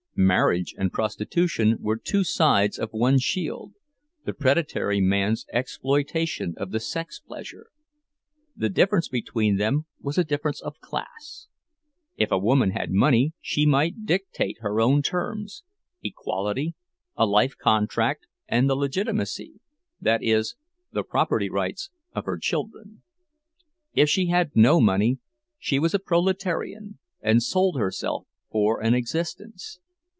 Marriage and prostitution were two sides of one shield, the predatory man's exploitation of the sex pleasure. The difference between them was a difference of class. If a woman had money she might dictate her own terms: equality, a life contract, and the legitimacy—that is, the property rights—of her children. If she had no money, she was a proletarian, and sold herself for an existence.